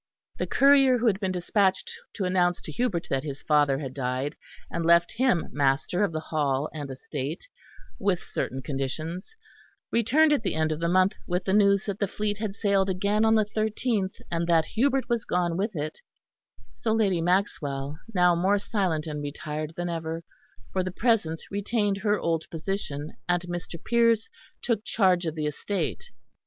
The courier who had been despatched to announce to Hubert that his father had died and left him master of the Hall and estate, with certain conditions, returned at the end of the month with the news that the fleet had sailed again on the thirteenth, and that Hubert was gone with it; so Lady Maxwell, now more silent and retired than ever, for the present retained her old position and Mr. Piers took charge of the estate.